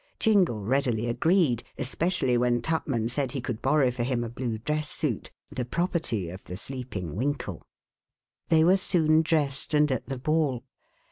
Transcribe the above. Jingle readily agreed, especially when Tupman said he could borrow for him a blue dress suit, the property of the sleeping Winkle. They were soon dressed and at the ball.